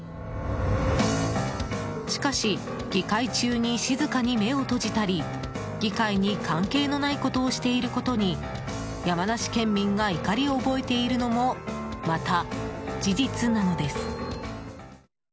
しかし、議会中に静かに目を閉じたり議会に関係のないことをしていることに山梨県民が怒りを覚えているのもまた、事実なのです。